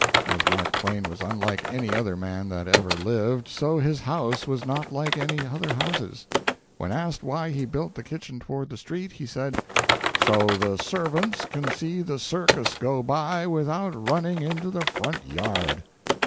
As Mark Twain was unlike any other man that ever lived, so his house was not like other houses. When asked why he built the kitchen toward the street, he said: "So the servants can see the circus go by without running into the front yard."